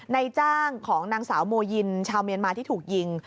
ในจ้างของนางสาวโมยินชาวเมียนมาที่ถูกยิง